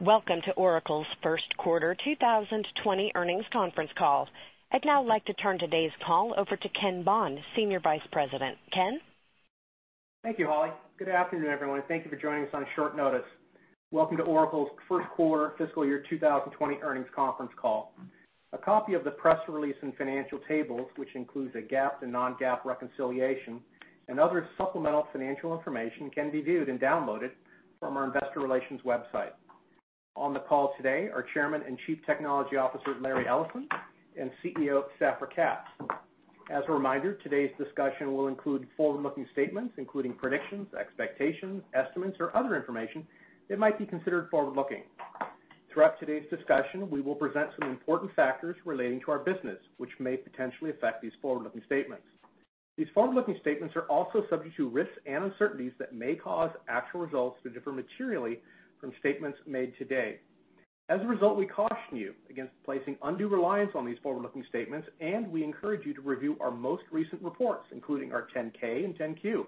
Welcome to Oracle's first quarter 2020 earnings conference call. I'd now like to turn today's call over to Ken Bond, Senior Vice President. Ken? Thank you, Holly. Good afternoon, everyone. Thank you for joining us on short notice. Welcome to Oracle's first quarter fiscal year 2020 earnings conference call. A copy of the press release and financial tables, which includes a GAAP and non-GAAP reconciliation and other supplemental financial information can be viewed and downloaded from our investor relations website. On the call today are Chairman and Chief Technology Officer, Larry Ellison, and CEO, Safra Catz. As a reminder, today's discussion will include forward-looking statements, including predictions, expectations, estimates, or other information that might be considered forward-looking. Throughout today's discussion, we will present some important factors relating to our business, which may potentially affect these forward-looking statements. These forward-looking statements are also subject to risks and uncertainties that may cause actual results to differ materially from statements made today. As a result, we caution you against placing undue reliance on these forward-looking statements, and we encourage you to review our most recent reports, including our 10-K and 10-Q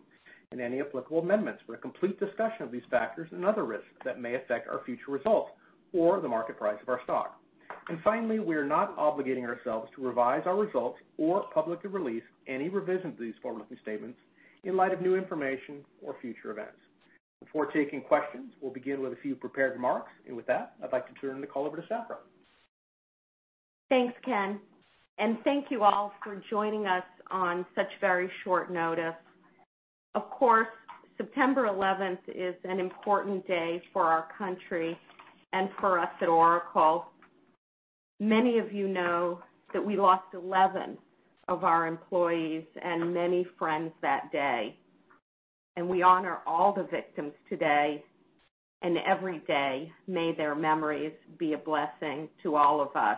and any applicable amendments for a complete discussion of these factors and other risks that may affect our future results or the market price of our stock. Finally, we are not obligating ourselves to revise our results or publicly release any revision to these forward-looking statements in light of new information or future events. Before taking questions, we'll begin with a few prepared remarks. With that, I'd like to turn the call over to Safra. Thanks, Ken, and thank you all for joining us on such very short notice. Of course, September 11th is an important day for our country and for us at Oracle. Many of you know that we lost 11 of our employees and many friends that day, and we honor all the victims today and every day. May their memories be a blessing to all of us.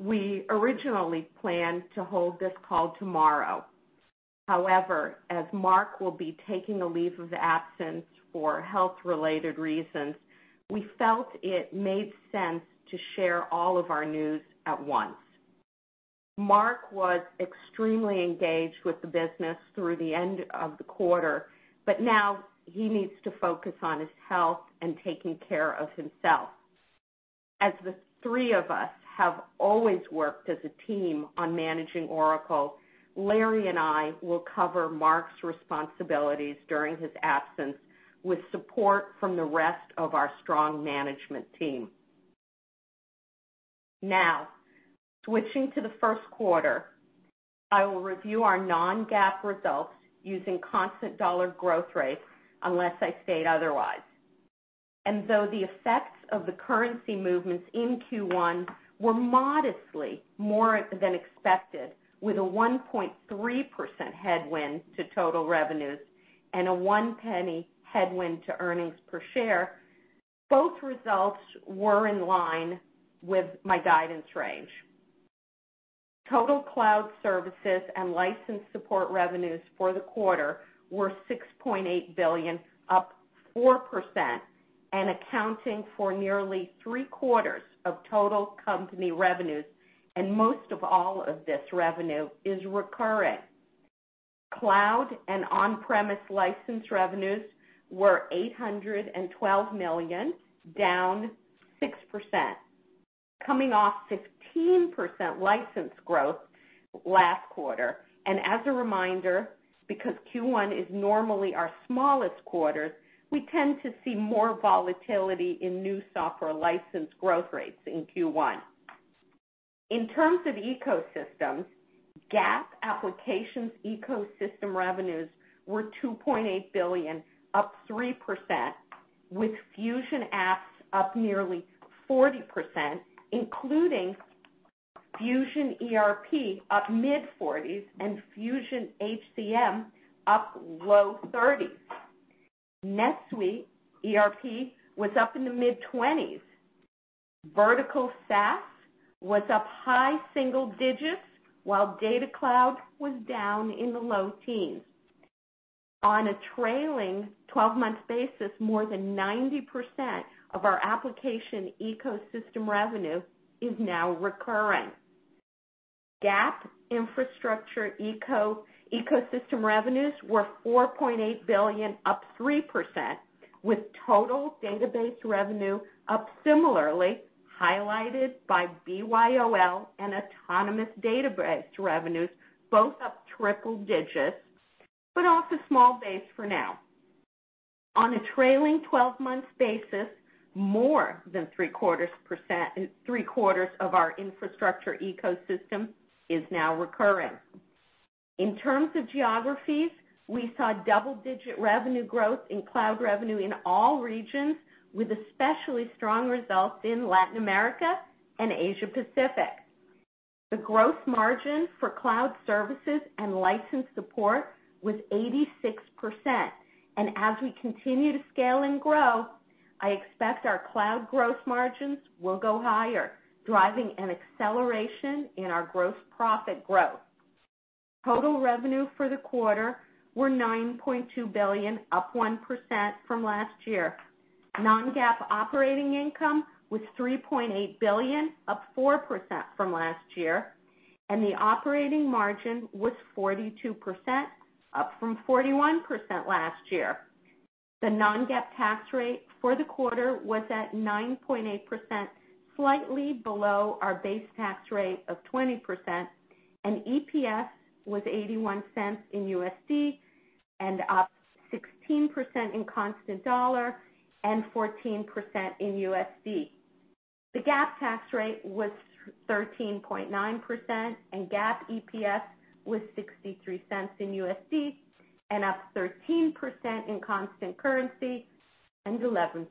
We originally planned to hold this call tomorrow. However, as Mark will be taking a leave of absence for health-related reasons, we felt it made sense to share all of our news at once. Mark was extremely engaged with the business through the end of the quarter, but now he needs to focus on his health and taking care of himself. As the three of us have always worked as a team on managing Oracle, Larry and I will cover Mark's responsibilities during his absence with support from the rest of our strong management team. Now, switching to the first quarter, I will review our non-GAAP results using constant dollar growth rates unless I state otherwise. Though the effects of the currency movements in Q1 were modestly more than expected, with a 1.3% headwind to total revenues and a $0.01 headwind to earnings per share, both results were in line with my guidance range. Total Cloud services and license support revenues for the quarter were $6.8 billion, up 4% and accounting for nearly three-quarters of total company revenues, and most of all of this revenue is recurring. Cloud and on-premise license revenues were $812 million, down 6%, coming off 15% license growth last quarter. As a reminder, because Q1 is normally our smallest quarter, we tend to see more volatility in new software license growth rates in Q1. In terms of ecosystems, GAAP applications ecosystem revenues were $2.8 billion, up 3%, with Fusion Apps up nearly 40%, including Fusion ERP up mid-40s and Fusion HCM up low 30s. NetSuite ERP was up in the mid-20s. Vertical SaaS was up high single digits, while Data Cloud was down in the low teens. On a trailing 12-month basis, more than 90% of our application ecosystem revenue is now recurring. GAAP infrastructure ecosystem revenues were $4.8 billion, up 3%, with total database revenue up similarly, highlighted by BYOL and Autonomous Database revenues, both up triple digits, but off a small base for now. On a trailing 12-month basis, more than three-quarters of our infrastructure ecosystem is now recurring. In terms of geographies, we saw double-digit revenue growth in cloud revenue in all regions, with especially strong results in Latin America and Asia-Pacific. The growth margin for cloud services and license support was 86%. As we continue to scale and grow, I expect our cloud growth margins will go higher, driving an acceleration in our gross profit growth. Total revenue for the quarter were $9.2 billion, up 1% from last year. Non-GAAP operating income was $3.8 billion, up 4% from last year, and the operating margin was 42%, up from 41% last year. The non-GAAP tax rate for the quarter was at 9.8%, slightly below our base tax rate of 20%, and EPS was $0.81 and up 16% in constant dollar and 14% in USD. The GAAP tax rate was 13.9%, and GAAP EPS was $0.63 and up 13% in constant currency and 11%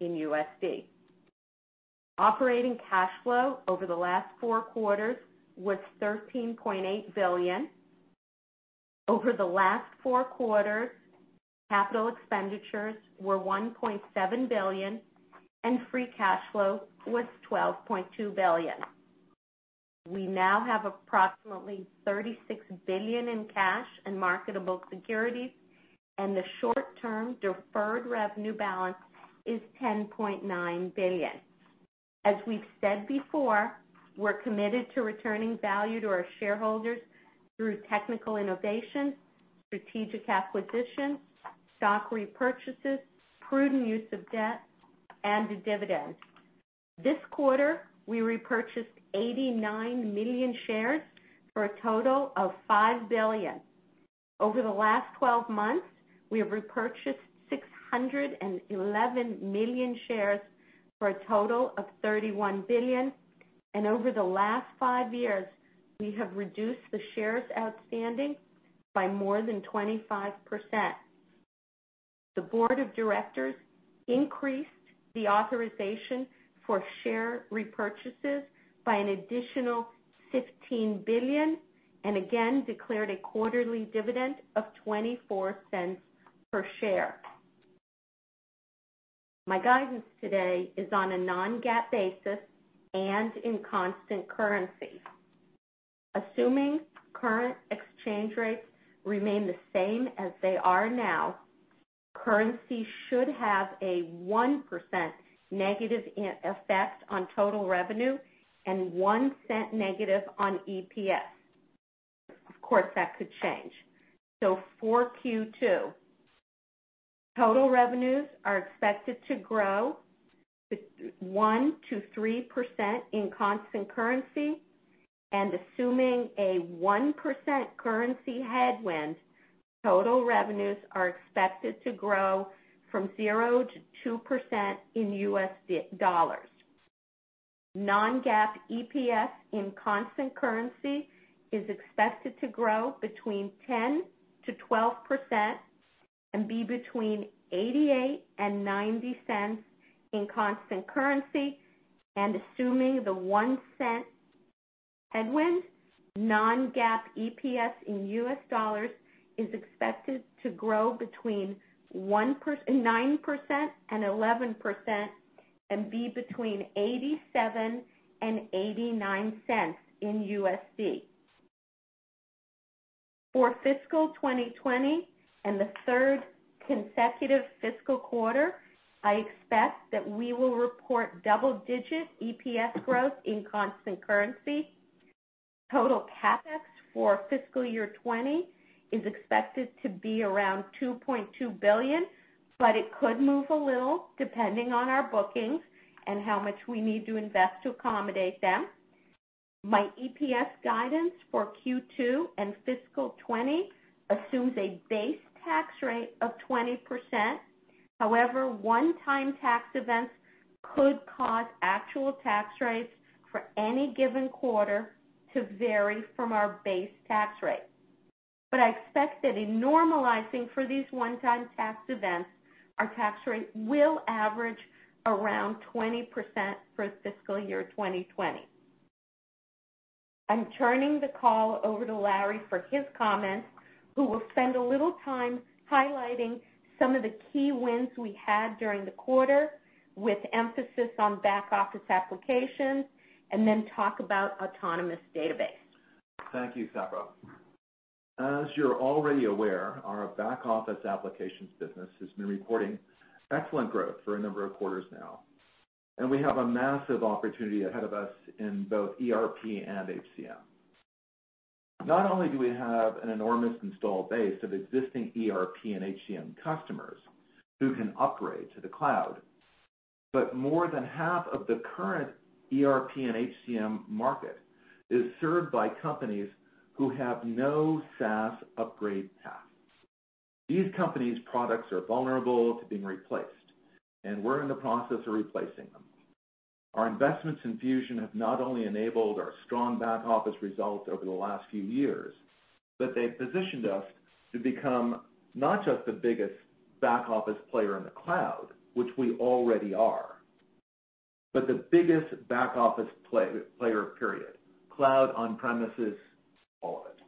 in USD. Operating cash flow over the last four quarters was $13.8 billion. Over the last four quarters, capital expenditures were $1.7 billion, and free cash flow was $12.2 billion. We now have approximately $36 billion in cash and marketable securities, and the short-term deferred revenue balance is $10.9 billion. As we've said before, we're committed to returning value to our shareholders through technical innovation, strategic acquisitions, stock repurchases, prudent use of debt, and a dividend. This quarter, we repurchased 89 million shares for a total of $5 billion. Over the last 12 months, we have repurchased 611 million shares for a total of $31 billion, and over the last five years, we have reduced the shares outstanding by more than 25%. The board of directors increased the authorization for share repurchases by an additional $15 billion and again declared a quarterly dividend of $0.24 per share. My guidance today is on a non-GAAP basis and in constant currency. Assuming current exchange rates remain the same as they are now, currency should have a 1% negative effect on total revenue and $0.01 negative on EPS. Of course, that could change. For Q2, total revenues are expected to grow 1%-3% in constant currency, and assuming a 1% currency headwind, total revenues are expected to grow from 0%-2% in USD. Non-GAAP EPS in constant currency is expected to grow between 10%-12% and be between $0.88 and $0.90 in constant currency. Assuming the $0.01 headwind, non-GAAP EPS in USD is expected to grow between 9%-11% and be between $0.87 and $0.89 in USD. For fiscal 2020 and the third consecutive fiscal quarter, I expect that we will report double-digit EPS growth in constant currency. Total CapEx for fiscal year 2020 is expected to be around $2.2 billion, but it could move a little depending on our bookings and how much we need to invest to accommodate them. My EPS guidance for Q2 and fiscal 2020 assumes a base tax rate of 20%. One-time tax events could cause actual tax rates for any given quarter to vary from our base tax rate. I expect that in normalizing for these one-time tax events, our tax rate will average around 20% for fiscal year 2020. I'm turning the call over to Larry for his comments, who will spend a little time highlighting some of the key wins we had during the quarter, with emphasis on back office applications, and then talk about autonomous database. Thank you, Safra. As you're already aware, our back office applications business has been reporting excellent growth for a number of quarters now, and we have a massive opportunity ahead of us in both ERP and HCM. Not only do we have an enormous installed base of existing ERP and HCM customers who can upgrade to the cloud, but more than half of the current ERP and HCM market is served by companies who have no SaaS upgrade path. These companies' products are vulnerable to being replaced, and we're in the process of replacing them. Our investments in Oracle Fusion have not only enabled our strong back office results over the last few years, but they've positioned us to become not just the biggest back office player in the cloud, which we already are, but the biggest back office player, period. Cloud, on premises, all of it.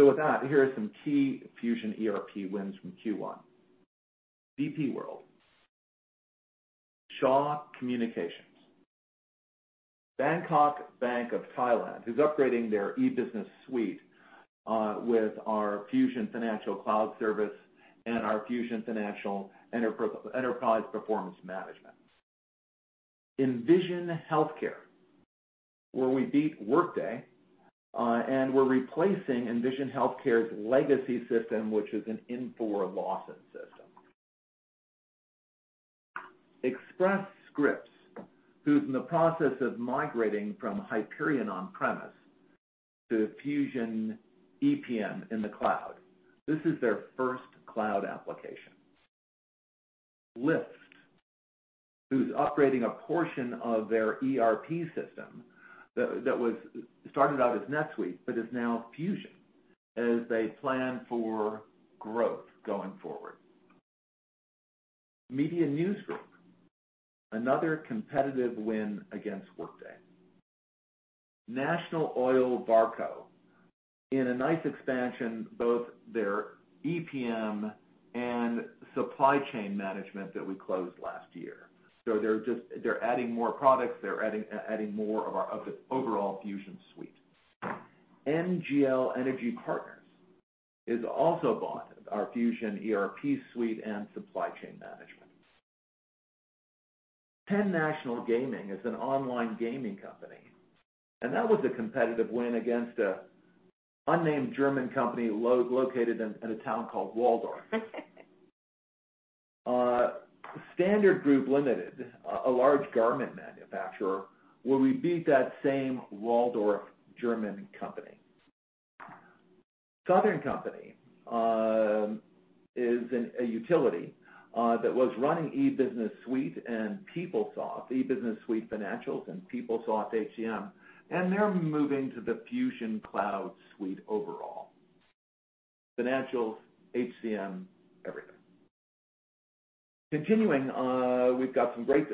With that, here are some key Fusion ERP wins from Q1. DP World, Shaw Communications, Bangkok Bank of Thailand, who's upgrading their Oracle E-Business Suite with our Fusion Financial Cloud Service and our Fusion Financial Enterprise Performance Management. Envision Healthcare, where we beat Workday, we're replacing Envision Healthcare's legacy system, which is an Infor Lawson system. Express Scripts, who's in the process of migrating from Oracle Hyperion on-premise to Fusion EPM in the cloud. This is their first cloud application. Lyft, who's upgrading a portion of their ERP system, that started out as NetSuite but is now Fusion, as they plan for growth going forward. MediaNews Group, another competitive win against Workday. National Oilwell Varco, in a nice expansion, both their EPM and supply chain management that we closed last year. They're adding more products, they're adding more of the overall Fusion Suite. NGL Energy Partners has also bought our Fusion ERP suite and supply chain management. Penn National Gaming is an online gaming company, and that was a competitive win against an unnamed German company located in a town called Walldorf. Standard Group Limited, a large garment manufacturer, where we beat that same Walldorf German company. Southern Company is a utility that was running E-Business Suite and PeopleSoft, E-Business Suite Financials, and PeopleSoft HCM, and they're moving to the Fusion Cloud Suite overall. Financials, HCM, everything. Continuing, we've got some great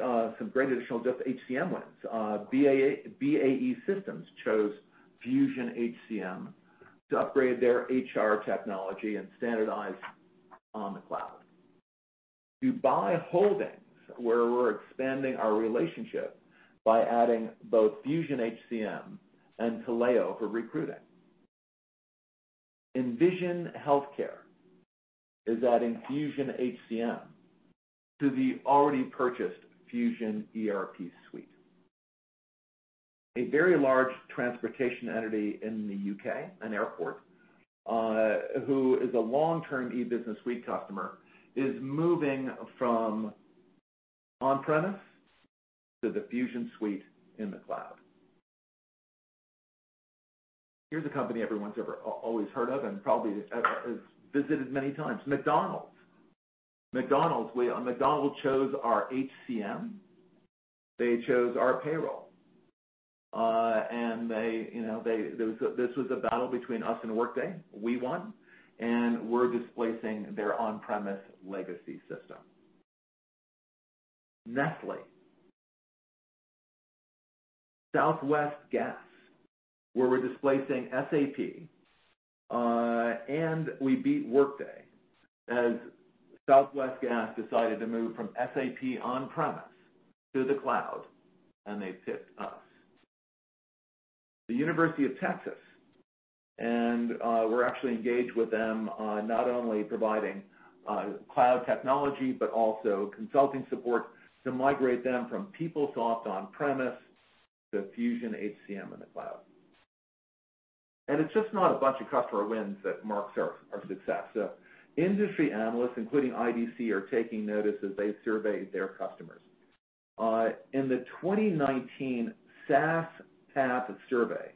additional HCM wins. BAE Systems chose Fusion HCM to upgrade their HR technology and standardize on the cloud. Dubai Holding, where we're expanding our relationship by adding both Fusion HCM and Taleo for recruiting. Envision Healthcare is adding Fusion HCM to the already purchased Fusion ERP suite. A very large transportation entity in the U.K., an airport, who is a long-term E-Business Suite customer, is moving from on-premise to the Fusion suite in the cloud. Here's a company everyone's always heard of and probably has visited many times, McDonald's. McDonald's chose our HCM. They chose our payroll. This was a battle between us and Workday. We won, and we're displacing their on-premise legacy system. Nestlé. Southwest Gas, where we're displacing SAP, and we beat Workday, as Southwest Gas decided to move from SAP on-premise to the cloud, and they picked us. The University of Texas, and we're actually engaged with them on not only providing cloud technology, but also consulting support to migrate them from PeopleSoft on-premise to Fusion HCM in the cloud. It's just not a bunch of customer wins that marks our success. Industry analysts, including IDC, are taking notice as they survey their customers. In the 2019 SaaSPath survey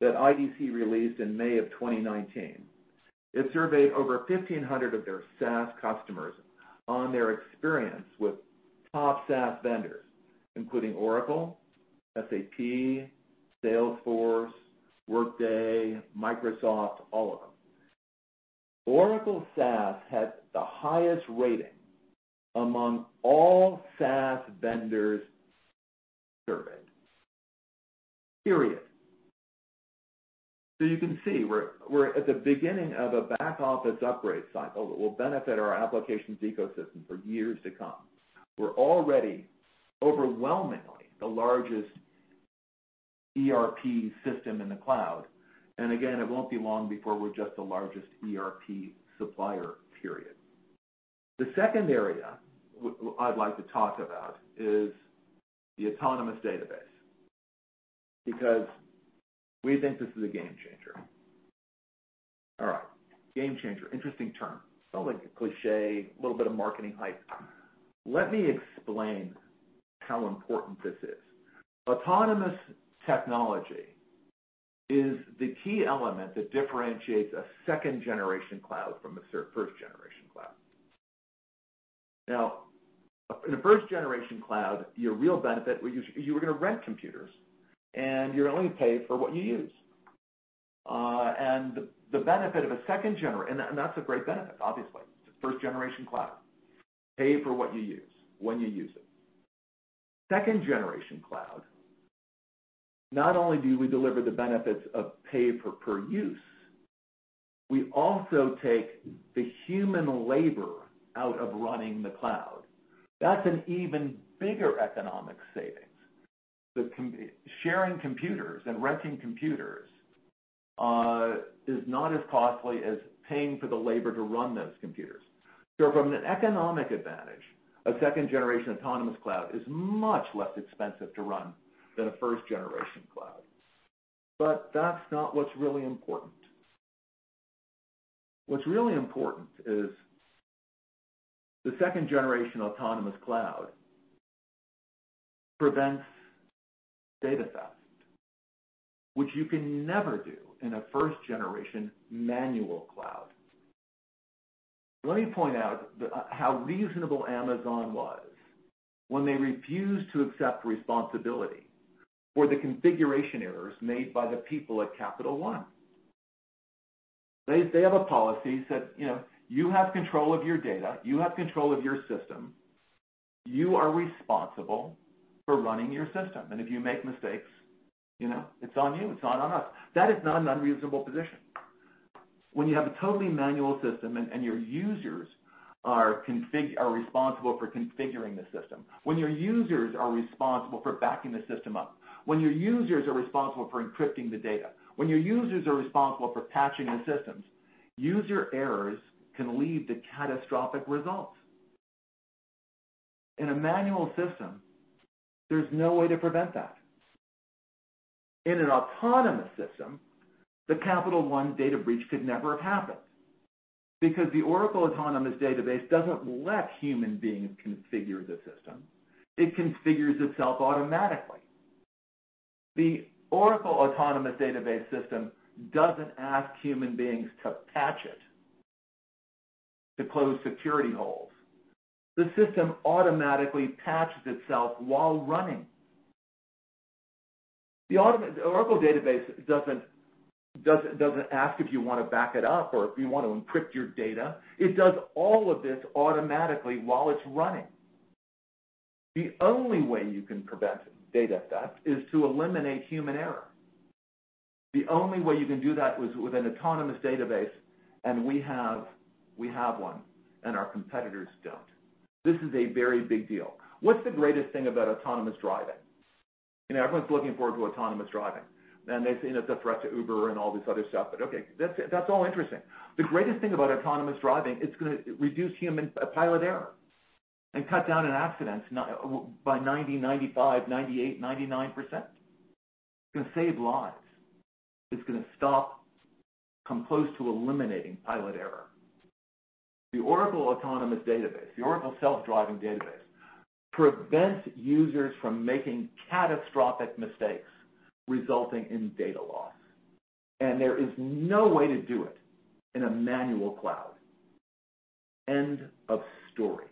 that IDC released in May of 2019, it surveyed over 1,500 of their SaaS customers on their experience with top SaaS vendors, including Oracle, SAP, Salesforce, Workday, Microsoft, all of them. Oracle SaaS had the highest rating among all SaaS vendors surveyed, period. You can see, we're at the beginning of a back office upgrade cycle that will benefit our applications ecosystem for years to come. We're already overwhelmingly the largest ERP system in the cloud. Again, it won't be long before we're just the largest ERP supplier, period. The second area I'd like to talk about is the Autonomous Database, because we think this is a game changer. All right. Game changer. Interesting term. Sound like a cliché, little bit of marketing hype. Let me explain how important this is. Autonomous technology is the key element that differentiates a second-generation cloud from a first-generation cloud. In a first-generation cloud, your real benefit, you were going to rent computers, you only pay for what you use. That's a great benefit, obviously. It's a first-generation cloud. Pay for what you use when you use it. Second-generation cloud, not only do we deliver the benefits of pay per use. We also take the human labor out of running the cloud. That's an even bigger economic saving. Sharing computers and renting computers is not as costly as paying for the labor to run those computers. From an economic advantage, a second generation autonomous cloud is much less expensive to run than a first generation cloud. That's not what's really important. What's really important is the second-generation autonomous cloud prevents data theft, which you can never do in a first-generation manual cloud. Let me point out how reasonable Amazon was when they refused to accept responsibility for the configuration errors made by the people at Capital One. They have a policy that, you have control of your data, you have control of your system. You are responsible for running your system, and if you make mistakes, it's on you, it's not on us. That is not an unreasonable position. When you have a totally manual system and your users are responsible for configuring the system, when your users are responsible for backing the system up, when your users are responsible for encrypting the data, when your users are responsible for patching the systems, user errors can lead to catastrophic results. In a manual system, there's no way to prevent that. In an autonomous system, the Capital One data breach could never have happened because the Oracle Autonomous Database doesn't let human beings configure the system. It configures itself automatically. The Oracle Autonomous Database system doesn't ask human beings to patch it, to close security holes. The system automatically patches itself while running. The Oracle database doesn't ask if you want to back it up or if you want to encrypt your data. It does all of this automatically while it's running. The only way you can prevent data theft is to eliminate human error. The only way you can do that is with an autonomous database, and we have one, and our competitors don't. This is a very big deal. What's the greatest thing about autonomous driving? Everyone's looking forward to autonomous driving. They say it's a threat to Uber and all this other stuff. Okay, that's all interesting. The greatest thing about autonomous driving, it's going to reduce human pilot error and cut down on accidents by 90%, 95%, 98%, 99%. It's going to save lives. It's going to come close to eliminating pilot error. The Oracle Autonomous Database, the Oracle self-driving database, prevents users from making catastrophic mistakes resulting in data loss. There is no way to do it in a manual cloud. End of story.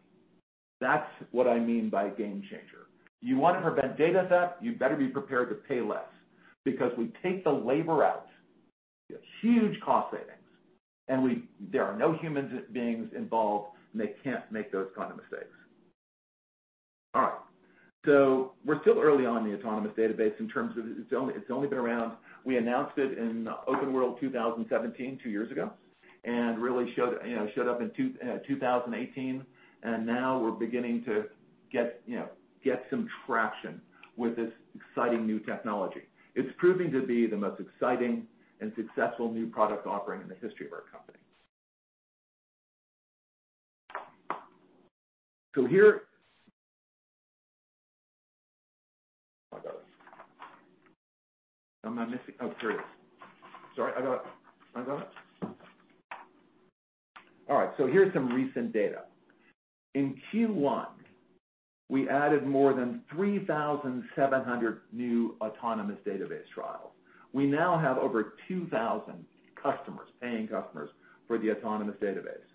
That's what I mean by game changer. You want to prevent data theft, you better be prepared to pay less because we take the labor out. We have huge cost savings. There are no human beings involved. They can't make those kind of mistakes. All right. We're still early on in the Autonomous Database in terms of it's only been around. We announced it in Oracle OpenWorld 2017, two years ago, and really showed up in 2018. Now we're beginning to get some traction with this exciting new technology. It's proving to be the most exciting and successful new product offering in the history of our company. I got it. Here's some recent data. In Q1, we added more than 3,700 new Autonomous Database trials. We now have over 2,000 customers, paying customers, for the Autonomous Database.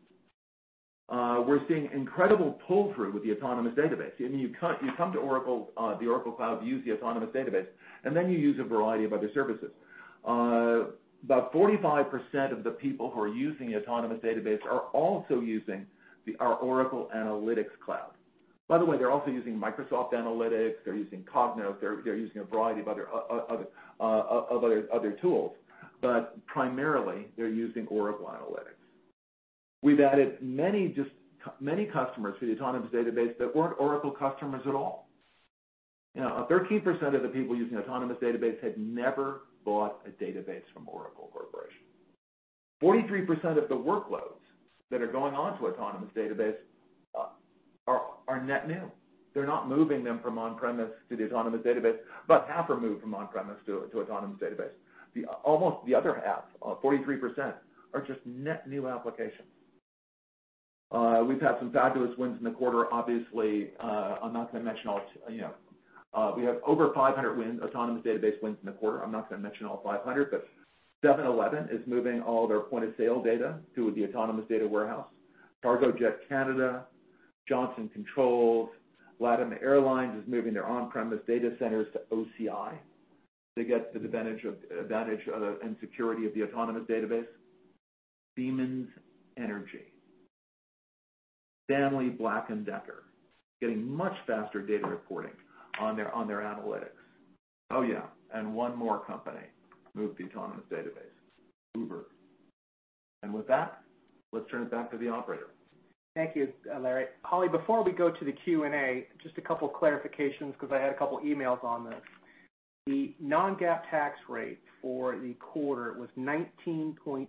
We're seeing incredible pull-through with the Autonomous Database. You come to Oracle, the Oracle Cloud, to use the Autonomous Database, and then you use a variety of other services. About 45% of the people who are using the Autonomous Database are also using our Oracle Analytics Cloud. They're also using Microsoft Analytics, they're using Cognos, they're using a variety of other tools. Primarily, they're using Oracle Analytics. We've added many customers to the Autonomous Database that weren't Oracle customers at all. 13% of the people using Autonomous Database had never bought a database from Oracle Corporation. 43% of the workloads that are going onto Autonomous Database are net new. They're not moving them from on-premises to the Autonomous Database, half are moved from on-premises to Autonomous Database. Almost the other half, 43%, are just net new applications. We've had some fabulous wins in the quarter. We have over 500 wins, Autonomous Database wins in the quarter. I'm not going to mention all 500, but 7-Eleven is moving all their point-of-sale data to the autonomous data warehouse. Cargojet Canada, Johnson Controls, LATAM Airlines is moving their on-premise data centers to OCI to get the advantage and security of the autonomous database. Siemens Energy, Stanley Black & Decker getting much faster data reporting on their analytics. Oh, yeah, one more company moved to autonomous database, Uber. With that, let's turn it back to the operator. Thank you, Larry. Holly, before we go to the Q&A, just a couple clarifications because I had a couple of emails on this. The non-GAAP tax rate for the quarter was 19.8%,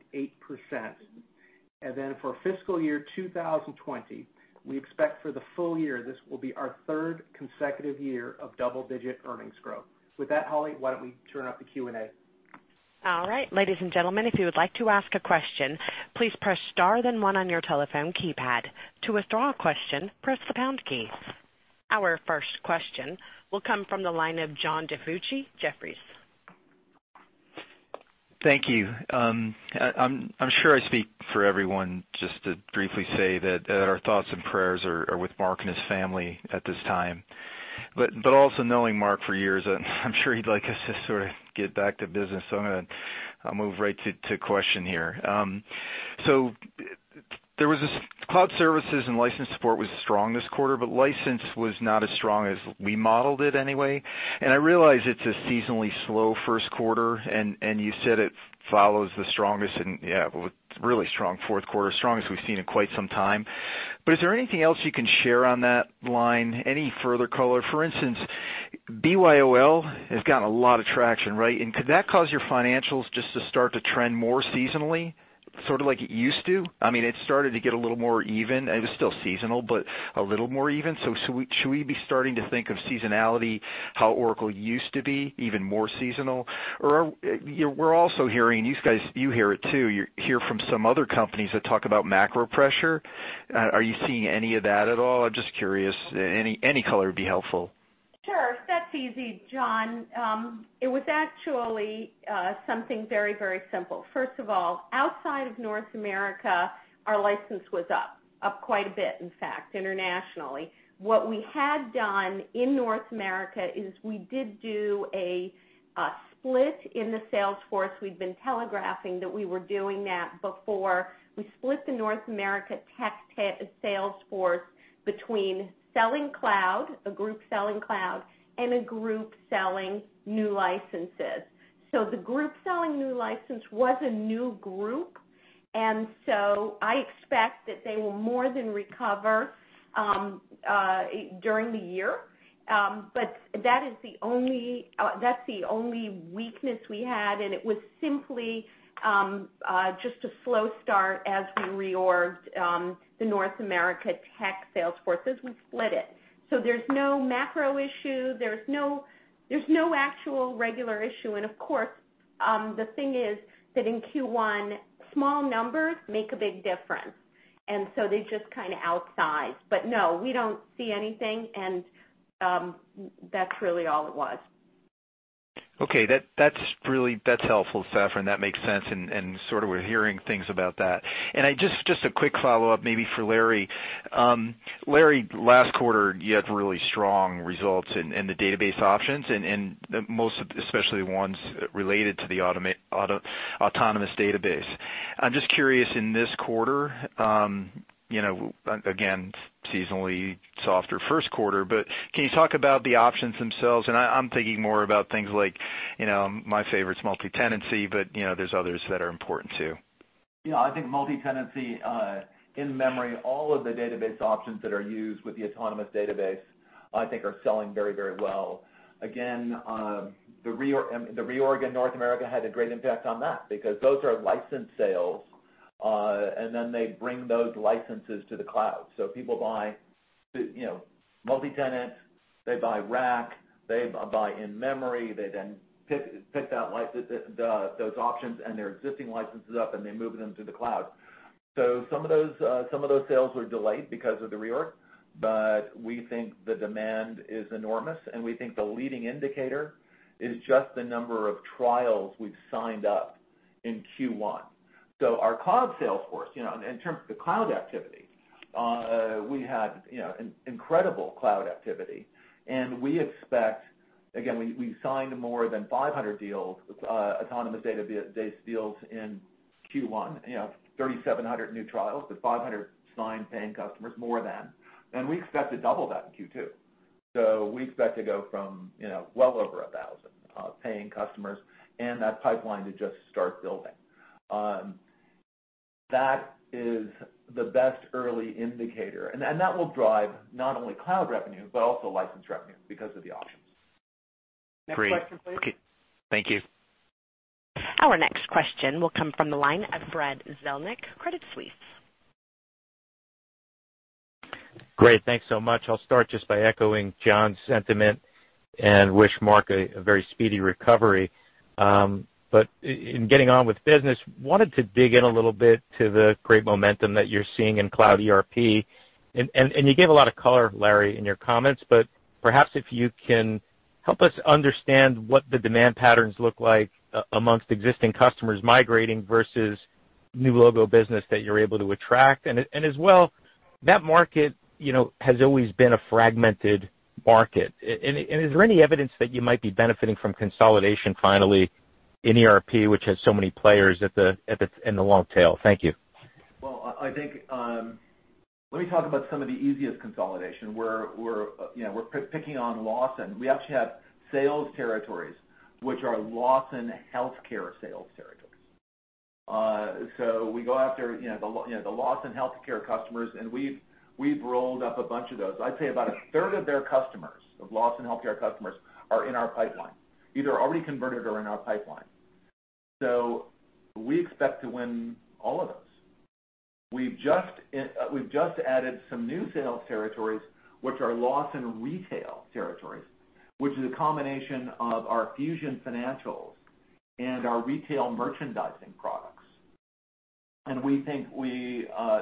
and then for fiscal year 2020, we expect for the full year, this will be our third consecutive year of double-digit earnings growth. With that, Holly, why don't we turn it up to Q&A? All right, ladies and gentlemen, if you would like to ask a question, please press star then one on your telephone keypad. To withdraw a question, press the pound key. Our first question will come from the line of John DiFucci, Jefferies. Thank you. I'm sure I speak for everyone just to briefly say that our thoughts and prayers are with Mark and his family at this time. Also knowing Mark for years, I'm sure he'd like us to sort of get back to business. I'm going to move right to question here. There was this Cloud services and license support was strong this quarter, but license was not as strong as we modeled it anyway. I realize it's a seasonally slow first quarter, and you said it follows the strongest and, yeah, with really strong fourth quarter, strongest we've seen in quite some time. Is there anything else you can share on that line? Any further color? For instance, BYOL has gotten a lot of traction, right? Could that cause your financials just to start to trend more seasonally, sort of like it used to? I mean, it started to get a little more even. It was still seasonal, but a little more even. Should we be starting to think of seasonality, how Oracle used to be even more seasonal? We're also hearing, you hear it too, you hear from some other companies that talk about macro pressure. Are you seeing any of that at all? I'm just curious. Any color would be helpful. Sure. That's easy, John. It was actually something very, very simple. First of all, outside of North America, our license was up quite a bit, in fact, internationally. What we had done in North America is we did do a split in the sales force. We'd been telegraphing that we were doing that before. We split the North America tech sales force between selling cloud, a group selling cloud, and a group selling new licenses. The group selling new license was a new group. I expect that they will more than recover during the year. That's the only weakness we had, and it was simply just a slow start as we reorged the North America tech sales force as we split it. There's no macro issue, there's no actual regular issue, and of course, the thing is that in Q1, small numbers make a big difference, and so they just kind of outsize. No, we don't see anything, and that's really all it was. Okay. That's helpful, Safra, and that makes sense, and sort of we're hearing things about that. Just a quick follow-up, maybe for Larry. Larry, last quarter, you had really strong results in the database options, and most especially ones related to the Autonomous Database. I'm just curious, in this quarter, again, seasonally softer first quarter, can you talk about the options themselves? I'm thinking more about things like, my favorite's multi-tenancy, there's others that are important, too. I think multi-tenancy, in-memory, all of the database options that are used with the Autonomous Database, I think are selling very, very well. Again, the reorg in North America had a great impact on that because those are licensed sales, and then they bring those licenses to the cloud. People buy multi-tenant, they buy rack, they buy in-memory, they then pick those options and their existing licenses up, and they move them to the cloud. Some of those sales were delayed because of the reorg, but we think the demand is enormous, and we think the leading indicator is just the number of trials we've signed up in Q1. Our cloud sales force, in terms of the cloud activity, we had incredible cloud activity. We expect, again, we signed more than 500 deals with Autonomous Database deals in Q1, 3,700 new trials to 500 signed paying customers, more than, and we expect to double that in Q2. We expect to go from well over 1,000 paying customers and that pipeline to just start building. That is the best early indicator, and that will drive not only cloud revenue, but also license revenue because of the options. Next question, please. Great. Okay. Thank you. Our next question will come from the line of Brad Zelnick, Credit Suisse. Great. Thanks so much. I'll start just by echoing John's sentiment and wish Mark a very speedy recovery. I wanted to dig in a little bit to the great momentum that you're seeing in cloud ERP. You gave a lot of color, Larry, in your comments, but perhaps if you can help us understand what the demand patterns look like amongst existing customers migrating versus new logo business that you're able to attract. As well, that market has always been a fragmented market. Is there any evidence that you might be benefiting from consolidation finally in ERP, which has so many players in the long tail. Thank you. Let me talk about some of the easiest consolidation where we're picking on Lawson. We actually have sales territories, which are Lawson healthcare sales territories. We go after the Lawson healthcare customers, and we've rolled up a bunch of those. I'd say about a third of their customers, of Lawson healthcare customers, are in our pipeline, either already converted or in our pipeline. We expect to win all of those. We've just added some new sales territories, which are Lawson retail territories, which is a combination of our Fusion financials and our retail merchandising products. We think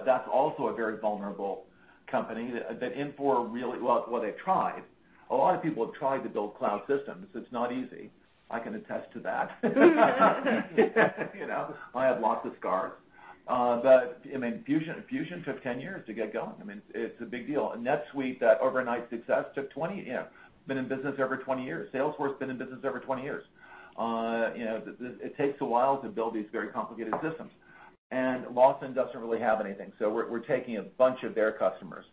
that's also a very vulnerable company that Infor really. Well, they've tried. A lot of people have tried to build cloud systems. It's not easy. I can attest to that. I have lots of scars. Fusion took 10 years to get going. It's a big deal. NetSuite, that overnight success, took 20 years, been in business over 20 years. Salesforce been in business over 20 years. It takes a while to build these very complicated systems. Lawson doesn't really have anything. We're taking a bunch of their customers.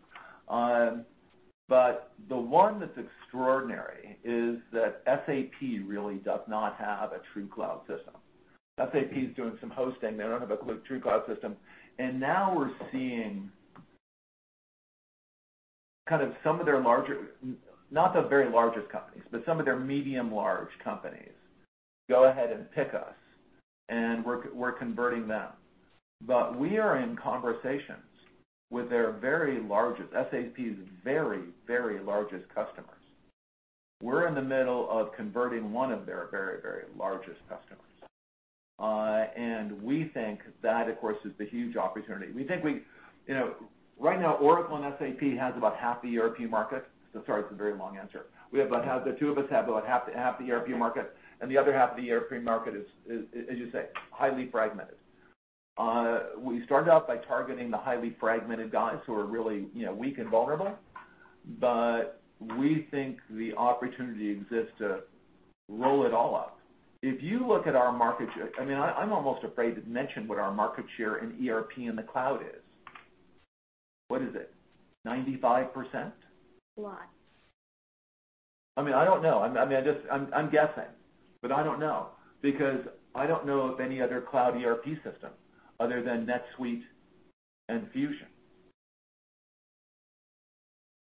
The one that's extraordinary is that SAP really does not have a true cloud system. SAP is doing some hosting. They don't have a true cloud system. Now we're seeing some of their larger, not the very largest companies, but some of their medium large companies go ahead and pick us, and we're converting them. We are in conversations with their very largest, SAP's very largest customers. We're in the middle of converting one of their very largest customers. We think that, of course, is the huge opportunity. Right now, Oracle and SAP has about half the ERP market. Sorry, it's a very long answer. The two of us have about half the ERP market, and the other half of the ERP market is, as you say, highly fragmented. We started out by targeting the highly fragmented guys who are really weak and vulnerable. We think the opportunity exists to roll it all up. If you look at our market share, I'm almost afraid to mention what our market share in ERP in the cloud is. What is it, 95%? A lot. I don't know. I'm guessing, but I don't know, because I don't know of any other cloud ERP system other than NetSuite and Fusion.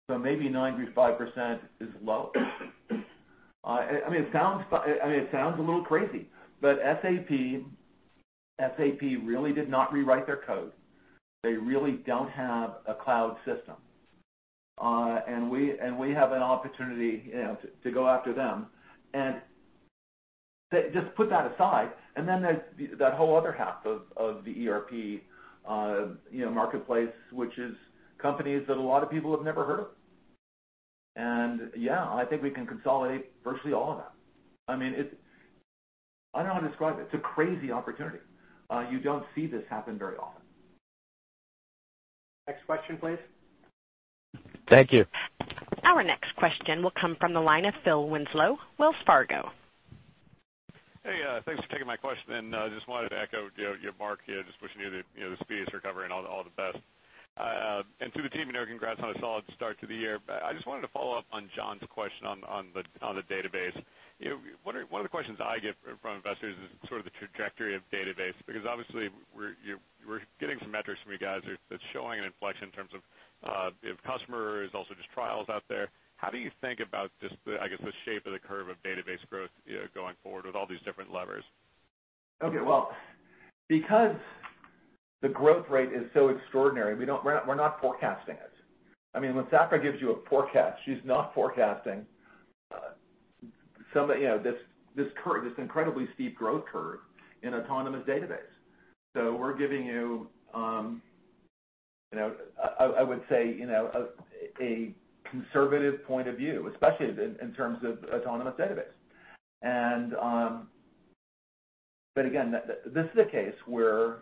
Maybe 95% is low. It sounds a little crazy, but SAP really did not rewrite their code. They really don't have a cloud system. We have an opportunity to go after them and just put that aside. There's that whole other half of the ERP marketplace, which is companies that a lot of people have never heard of. Yeah, I think we can consolidate virtually all of them. I don't know how to describe it. It's a crazy opportunity. You don't see this happen very often. Next question, please. Thank you. Our next question will come from the line of Phil Winslow, Wells Fargo. Hey, thanks for taking my question. I just wanted to echo Mark here, just wishing you the speediest recovery and all the best. To the team, congrats on a solid start to the year. I just wanted to follow up on John's question on the database. One of the questions I get from investors is sort of the trajectory of database, because obviously, we're getting some metrics from you guys that's showing an inflection in terms of customers, also just trials out there. How do you think about just the, I guess, the shape of the curve of database growth going forward with all these different levers? Well, because the growth rate is so extraordinary, we're not forecasting it. When Safra gives you a forecast, she's not forecasting this incredibly steep growth curve in autonomous database. We're giving you, I would say, a conservative point of view, especially in terms of autonomous database. Again, this is a case where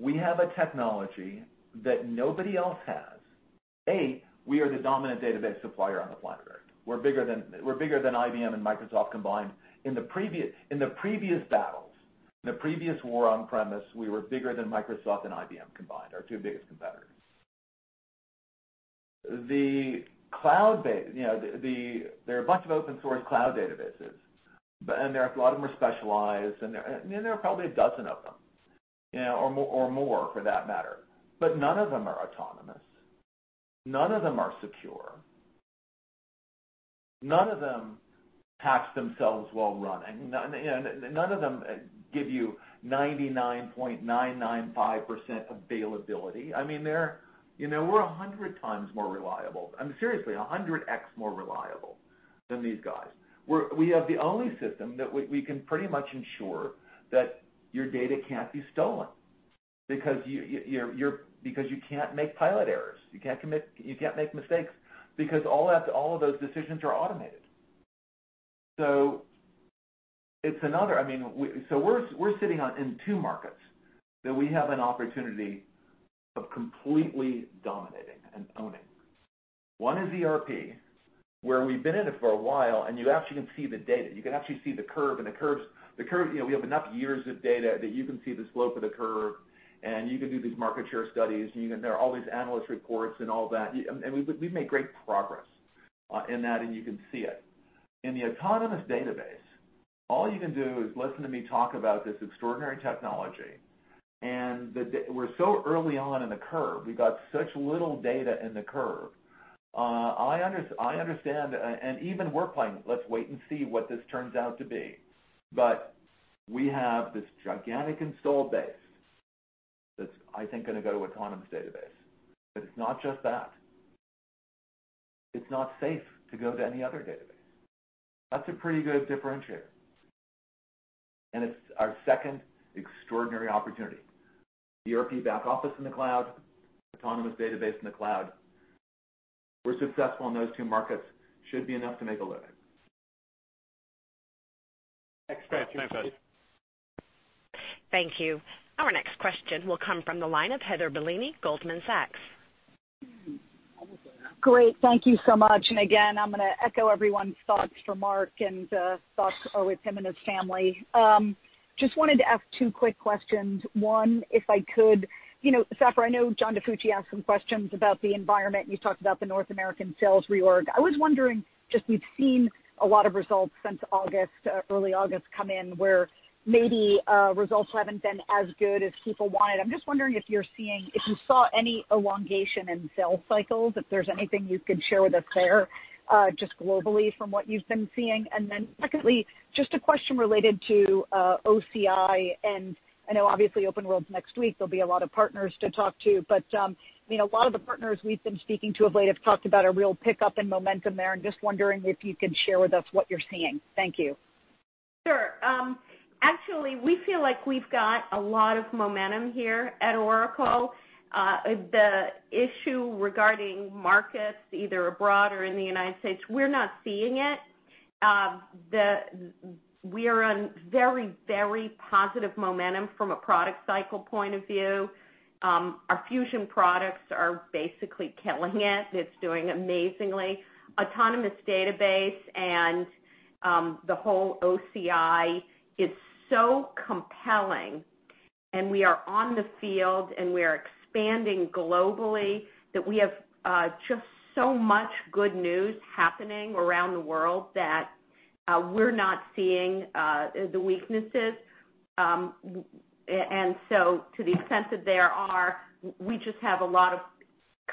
we have a technology that nobody else has. We are the dominant database supplier on the planet Earth. We're bigger than IBM and Microsoft combined. In the previous battles, in the previous war on-premise, we were bigger than Microsoft and IBM combined, our two biggest competitors. There are a bunch of open source cloud databases, and a lot of them are specialized, and there are probably a dozen of them, or more for that matter. None of them are autonomous. None of them are secure. None of them patch themselves while running. None of them give you 99.995% availability. We're 100 times more reliable. Seriously, 100x more reliable than these guys. We have the only system that we can pretty much ensure that your data can't be stolen because you can't make pilot errors. You can't make mistakes because all of those decisions are automated. We're sitting in two markets that we have an opportunity of completely dominating and owning. One is ERP, where we've been in it for a while, and you actually can see the data. You can actually see the curve, and we have enough years of data that you can see the slope of the curve, and you can do these market share studies, and there are all these analyst reports and all that. We've made great progress in that, and you can see it. In the Oracle Autonomous Database, all you can do is listen to me talk about this extraordinary technology, and we're so early on in the curve. We've got such little data in the curve. I understand and even we're planning, let's wait and see what this turns out to be. We have this gigantic install base that's, I think, going to go to Oracle Autonomous Database. It's not just that. It's not safe to go to any other database. That's a pretty good differentiator. It's our second extraordinary opportunity. The ERP back office in the cloud, Oracle Autonomous Database in the cloud. We're successful in those two markets, should be enough to make a living. Next question, please. Thank you. Our next question will come from the line of Heather Bellini, Goldman Sachs. Great. Thank you so much. Again, I'm going to echo everyone's thoughts for Mark, and thoughts are with him and his family. Just wanted to ask two quick questions. One, if I could, Safra, I know John DiFucci asked some questions about the environment, you talked about the North American sales reorg. I was wondering, just we've seen a lot of results since early August come in where maybe results haven't been as good as people wanted. I'm just wondering if you saw any elongation in sales cycles, if there's anything you can share with us there, just globally from what you've been seeing. Secondly, just a question related to OCI. I know obviously OpenWorld's next week, there'll be a lot of partners to talk to. A lot of the partners we've been speaking to of late have talked about a real pickup in momentum there. Just wondering if you can share with us what you're seeing. Thank you. Sure. Actually, we feel like we've got a lot of momentum here at Oracle. The issue regarding markets, either abroad or in the United States, we're not seeing it. We're on very, very positive momentum from a product cycle point of view. Our Fusion products are basically killing it. It's doing amazingly. Autonomous Database and the whole OCI is so compelling, and we are on the field, and we are expanding globally, that we have just so much good news happening around the world that we're not seeing the weaknesses. To the extent that there are, we just have a lot of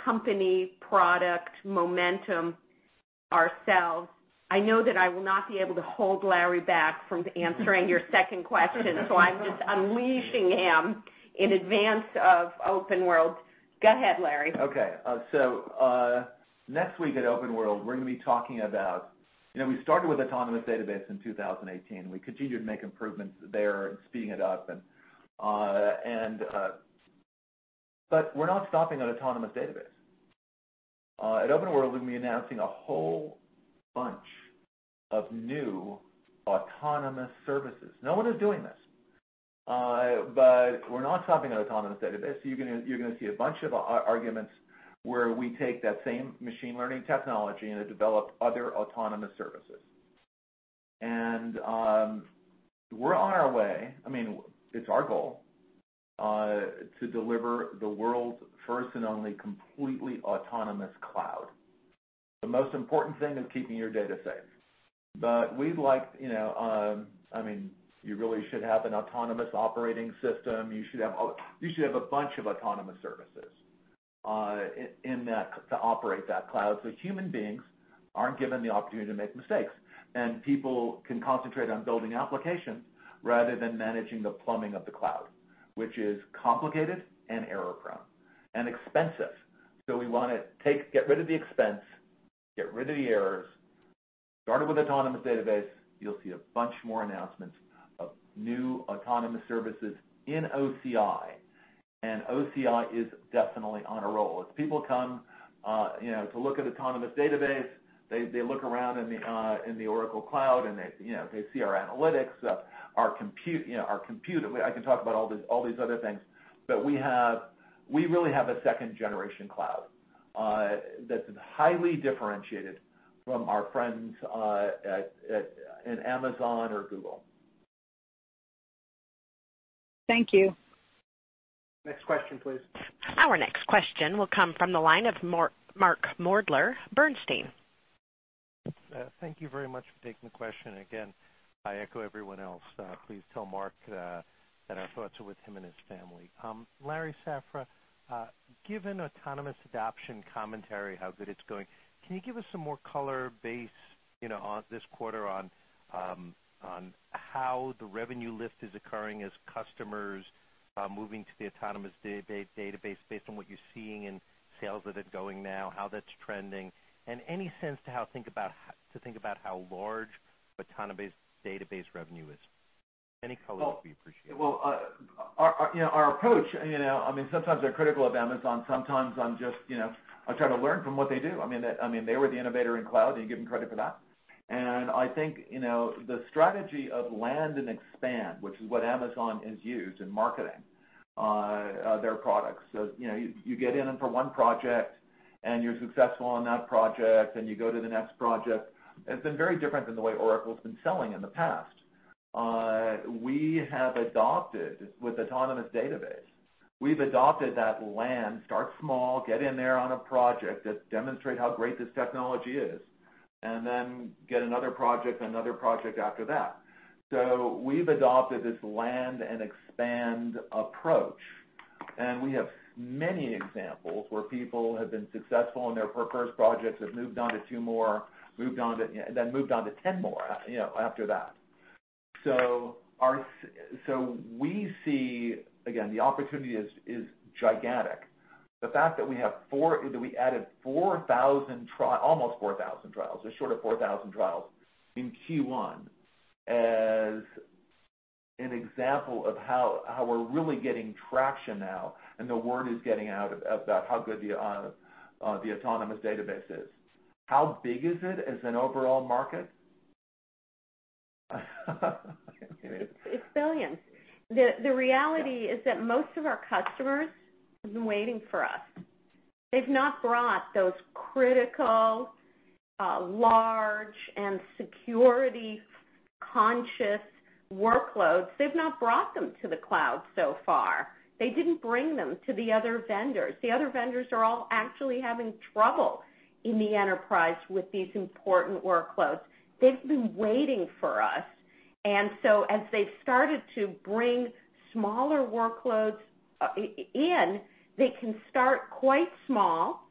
company product momentum ourselves. I know that I will not be able to hold Larry back from answering your second question, so I'm just unleashing him in advance of OpenWorld. Go ahead, Larry. Okay. Next week at Oracle OpenWorld, we started with Oracle Autonomous Database in 2018. We continued to make improvements there and speeding it up, we're not stopping at Oracle Autonomous Database. At Oracle OpenWorld, we'll be announcing a whole bunch of new autonomous services. No one is doing this. We're not stopping at Oracle Autonomous Database. You're going to see a bunch of arguments where we take that same machine learning technology and develop other autonomous services. We're on our way. It's our goal to deliver the world's first and only completely autonomous cloud. The most important thing is keeping your data safe. You really should have an autonomous operating system. You should have a bunch of autonomous services to operate that cloud, so human beings aren't given the opportunity to make mistakes, and people can concentrate on building applications rather than managing the plumbing of the cloud, which is complicated and error-prone and expensive. We want to get rid of the expense, get rid of the errors. Started with Autonomous Database. You'll see a bunch more announcements of new autonomous services in OCI. OCI is definitely on a roll. As people come to look at Autonomous Database, they look around in the Oracle Cloud, and they see our analytics, our compute. I can talk about all these other things, but we really have a second-generation cloud that's highly differentiated from our friends in Amazon or Google. Thank you. Next question, please. Our next question will come from the line of Mark Moerdler, Bernstein. Thank you very much for taking the question. Again, I echo everyone else. Please tell Mark that our thoughts are with him and his family. Larry, Safra, given Autonomous Database adoption commentary, how good it's going, can you give us some more color based this quarter on how the revenue lift is occurring as customers are moving to the Autonomous Database, based on what you're seeing in sales that are going now, how that's trending? Any sense to think about how large Autonomous Database revenue is? Any color would be appreciated. Well, our approach, sometimes I'm critical of Amazon. Sometimes I try to learn from what they do. They were the innovator in cloud, you give them credit for that. I think the strategy of land and expand, which is what Amazon has used in marketing their products. You get in for one project and you're successful on that project, then you go to the next project. It's been very different than the way Oracle's been selling in the past. We have adopted, with Autonomous Database, we've adopted that land, start small, get in there on a project, just demonstrate how great this technology is, and then get another project and another project after that. We've adopted this land and expand approach, and we have many examples where people have been successful in their first projects, have moved on to two more, then moved on to 10 more after that. We see, again, the opportunity is gigantic. The fact that we added almost 4,000 trials, they're short of 4,000 trials in Q1 as an example of how we're really getting traction now, and the word is getting out about how good the Autonomous Database is. How big is it as an overall market? It's billions. The reality is that most of our customers have been waiting for us. They've not brought those critical, large and security-conscious workloads, they've not brought them to the cloud so far. They didn't bring them to the other vendors. The other vendors are all actually having trouble in the enterprise with these important workloads. They've been waiting for us. As they've started to bring smaller workloads in, they can start quite small,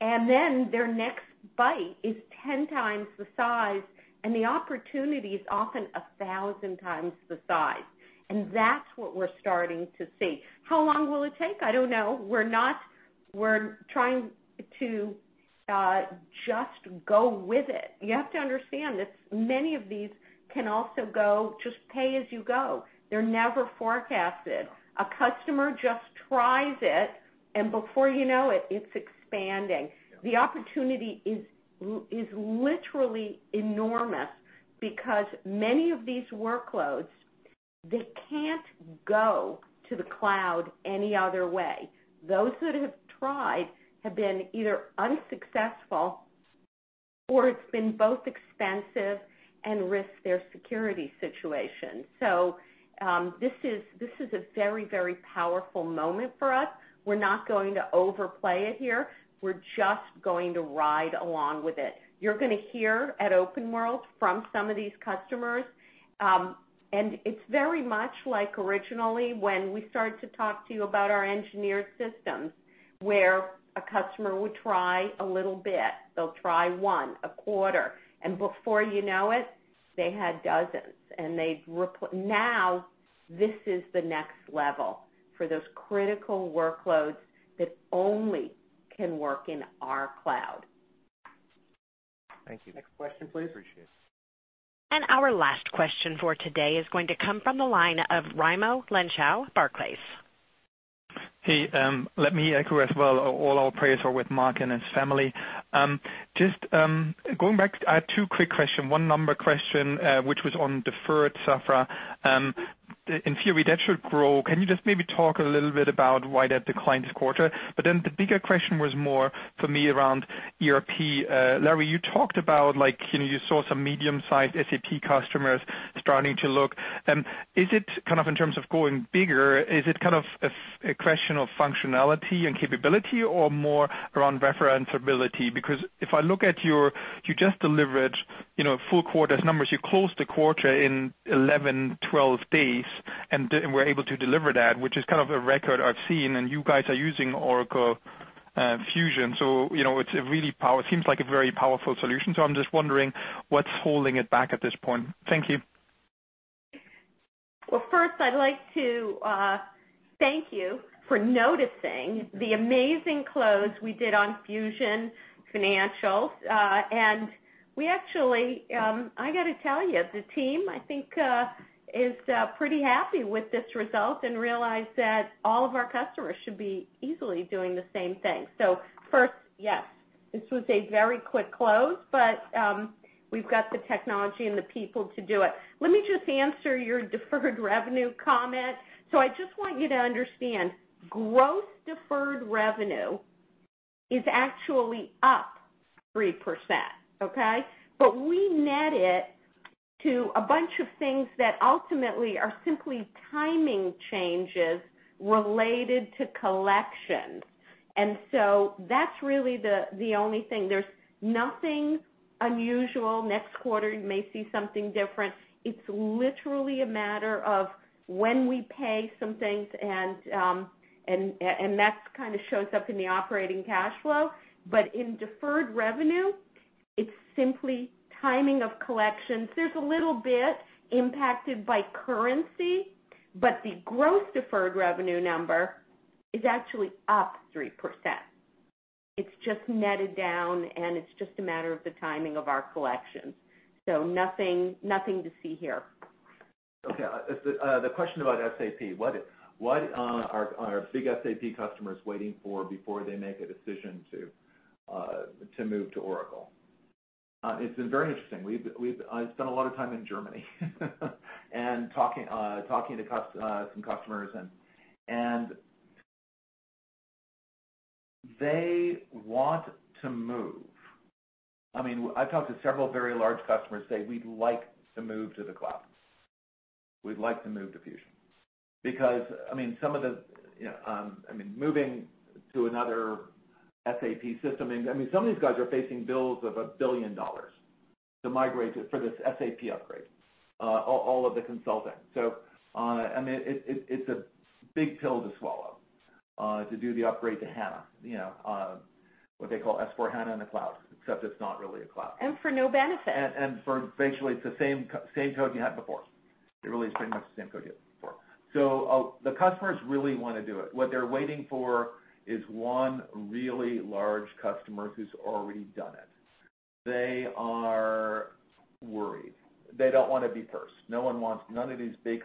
and then their next bite is 10 times the size, and the opportunity is often 1,000 times the size. That's what we're starting to see. How long will it take? I don't know. We're trying to just go with it. You have to understand that many of these can also go just pay as you go. They're never forecasted. A customer just tries it, and before you know it's expanding. Yeah. The opportunity is literally enormous because many of these workloads, they can't go to the cloud any other way. Those that have tried have been either unsuccessful or it's been both expensive and risked their security situation. This is a very powerful moment for us. We're not going to overplay it here. We're just going to ride along with it. You're going to hear at Oracle OpenWorld from some of these customers. It's very much like originally when we started to talk to you about our engineered systems, where a customer would try a little bit. They'll try one, a quarter, and before you know it, they had dozens. This is the next level for those critical workloads that only can work in our cloud. Thank you. Next question, please. Appreciate it. Our last question for today is going to come from the line of Raimo Lenschow, Barclays. Hey, let me echo as well, all our prayers are with Mark and his family. Just going back, I had two quick question, one number question, which was on deferred software. In theory, that should grow. Can you just maybe talk a little bit about why that declined this quarter? The bigger question was more for me around ERP. Larry, you talked about you saw some medium-sized SAP customers starting to look. Is it, in terms of going bigger, is it a question of functionality and capability or more around referencability? If I look at you just delivered full quarters numbers. You closed the quarter in 11, 12 days and were able to deliver that, which is a record I've seen, and you guys are using Oracle Fusion, so it seems like a very powerful solution. I'm just wondering what's holding it back at this point. Thank you. First I'd like to thank you for noticing the amazing close we did on Fusion Financials. We actually, I got to tell you, the team, I think, is pretty happy with this result and realize that all of our customers should be easily doing the same thing. First, yes, this was a very quick close, but we've got the technology and the people to do it. Let me just answer your deferred revenue comment. I just want you to understand, gross deferred revenue is actually up 3%, okay? We net it to a bunch of things that ultimately are simply timing changes related to collection. That's really the only thing. There's nothing unusual. Next quarter, you may see something different. It's literally a matter of when we pay some things, and that kind of shows up in the operating cash flow. In deferred revenue, it's simply timing of collections. There's a little bit impacted by currency, but the gross deferred revenue number is actually up 3%. It's just netted down, and it's just a matter of the timing of our collections. Nothing to see here. Okay. The question about SAP, what are our big SAP customers waiting for before they make a decision to move to Oracle? It's been very interesting. I've spent a lot of time in Germany and talking to some customers, and they want to move. I've talked to several very large customers say, "We'd like to move to the cloud. We'd like to move to Fusion." Moving to another SAP system, some of these guys are facing bills of $1 billion to migrate for this SAP upgrade, all of the consultants. It's a big pill to swallow to do the upgrade to HANA, what they call S/4HANA in the cloud, except it's not really a cloud. For no benefit. Basically it's the same code you had before. It really is pretty much the same code you had before. The customers really want to do it. What they're waiting for is one really large customer who's already done it. They are worried. They don't want to be first. These big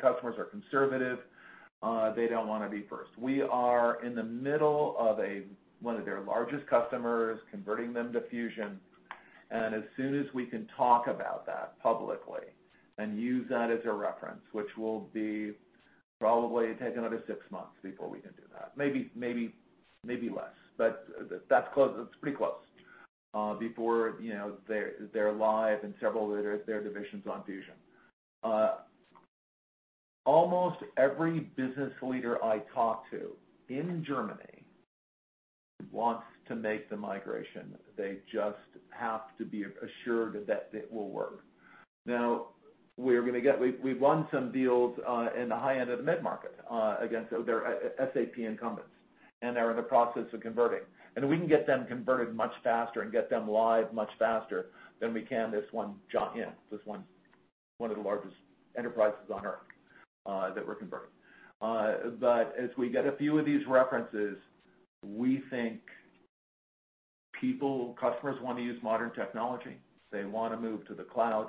customers are conservative. They don't want to be first. We are in the middle of one of their largest customers, converting them to Fusion. As soon as we can talk about that publicly and use that as a reference, which will probably take another six months before we can do that, maybe less, but that's pretty close, before they're live and several of their divisions on Fusion. Almost every business leader I talk to in Germany wants to make the migration. They just have to be assured that it will work. We've won some deals in the high end of the mid-market against their SAP incumbents, and they're in the process of converting. We can get them converted much faster and get them live much faster than we can this one of the largest enterprises on Earth that we're converting. As we get a few of these references, we think customers want to use modern technology. They want to move to the cloud.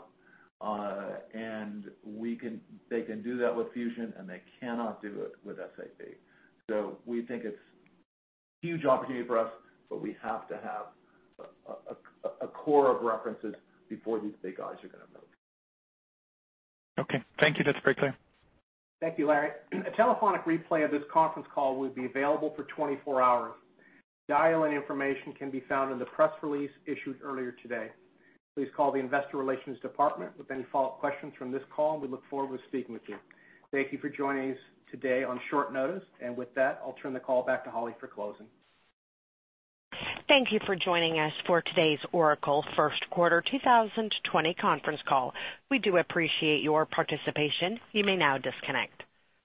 They can do that with Fusion, and they cannot do it with SAP. We think it's a huge opportunity for us, but we have to have a core of references before these big guys are going to move. Okay. Thank you. That's very clear. Thank you, Larry. A telephonic replay of this conference call will be available for 24 hours. Dial-in information can be found in the press release issued earlier today. Please call the investor relations department with any follow-up questions from this call, and we look forward to speaking with you. Thank you for joining us today on short notice. With that, I'll turn the call back to Holly for closing. Thank you for joining us for today's Oracle first quarter 2020 conference call. We do appreciate your participation. You may now disconnect.